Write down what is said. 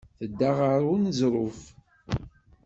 Tedda ɣer uneẓruf.